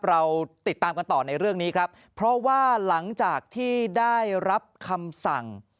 เราติดตามกันต่อในเรื่องนี้ครับเพราะว่าหลังจากที่ได้รับคำสั่ง